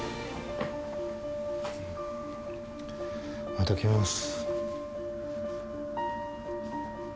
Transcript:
また来ます。